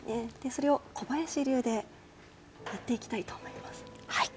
それを小林流でやっていきたいと思います。